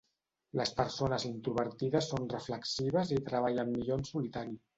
Les persones introvertides són reflexives i treballen millor en solitari.